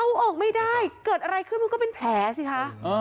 เอาออกไม่ได้เกิดอะไรขึ้นมันก็เป็นแผลสิคะ